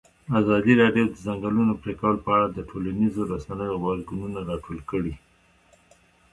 ازادي راډیو د د ځنګلونو پرېکول په اړه د ټولنیزو رسنیو غبرګونونه راټول کړي.